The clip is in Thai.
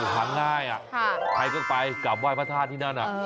หาง่ายใครก็ไปกลับไหว้พระธาตุที่นั่น